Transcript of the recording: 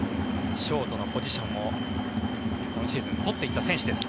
ショートのポジションを今シーズン取っていった選手です。